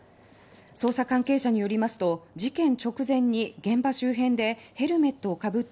捜査関係者によりますと事件直前に現場周辺でヘルメットをかぶった